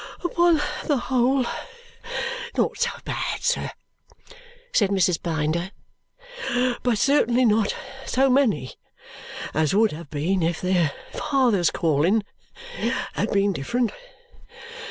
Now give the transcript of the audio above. "Upon the whole, not so bad, sir," said Mrs. Blinder; "but certainly not so many as would have been if their father's calling had been different.